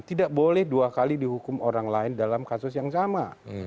tidak boleh dua kali dihukum orang lain dalam kasus yang sama